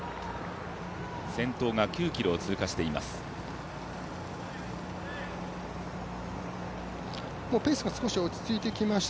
先頭が９ｋｍを通過しています